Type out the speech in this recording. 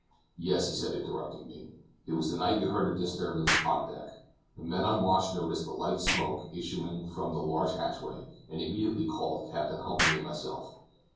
"Yes," he said, interrupting me; "it was the night you heard the disturbance upon deck. The men on watch noticed a slight smoke issuing from the large hatchway and immediately called Captain Huntly and myself.